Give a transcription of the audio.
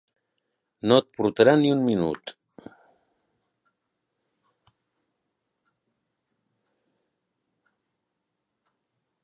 No et portarà ni un minut!